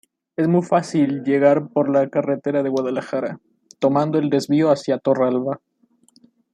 Es muy fácil llegar por la carretera de Guadalajara, tomando el desvío hacia Torralba.